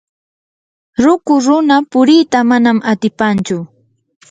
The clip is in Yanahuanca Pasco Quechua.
ruku runa purita manam atipanchu.